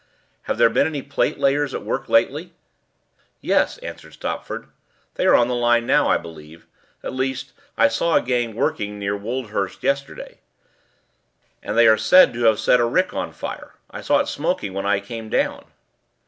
Have there been any platelayers at work lately?" "Yes," answered Stopford, "they are on the line now, I believe at least, I saw a gang working near Woldhurst yesterday, and they are said to have set a rick on fire; I saw it smoking when I came down."